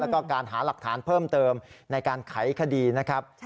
แล้วก็การหาหลักฐานเพิ่มเติมในการไขคดีนะครับ